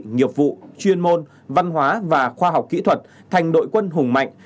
nghiệp vụ chuyên môn văn hóa và khoa học kỹ thuật thành đội quân hùng mạnh